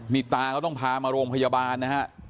มีตาก็ต้องพามาโรงพยาบาลนะครับ